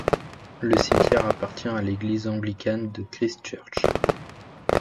Le cimetière appartient à l'église anglicane de Christ Church.